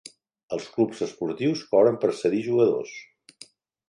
Els clubs esportius cobren per cedir jugadors.